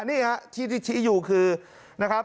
นี่ฮะที่ชี้อยู่คือนะครับ